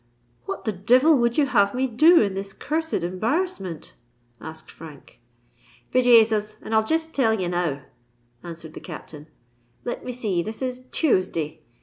"What the devil would you have me do in this cursed embarrassment?" asked Frank. "Be Jasus! and I'll jest tell ye now," answered the Captain. "Let me see?—this is Thuesday.